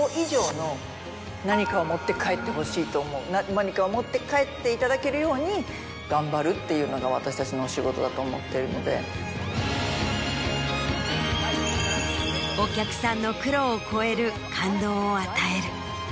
何かを持って帰っていただけるように頑張るっていうのが私たちのお仕事だと思ってるので。を与える。